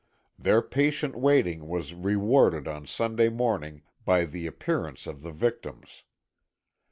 Their patient waiting was rewarded on Sunday morning by the appearance of the victims.